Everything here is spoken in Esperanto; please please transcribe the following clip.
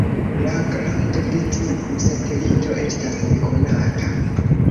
La grando de tiu satelito estas nekonata.